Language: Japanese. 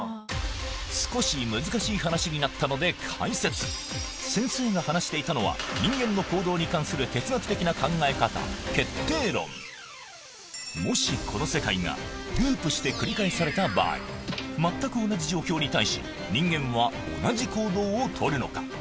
少し難しい話になったので解説先生が話していたのはもしこの世界がループして繰り返された場合全く同じ状況に対し人間は同じ行動をとるのか？